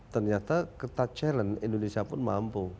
ternyata kita challenge indonesia pun mampu